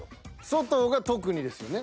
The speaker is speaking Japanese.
外が特にですよね。